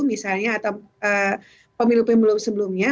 misalnya atau pemilu pemilu sebelumnya